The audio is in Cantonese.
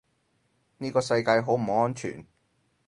呢個世界好唔安全